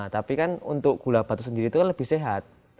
tapi kan untuk gula batu sendiri itu kan lebih sehat